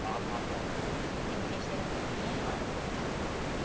変形してるんですね。